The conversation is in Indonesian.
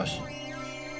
siapa sih telfonnya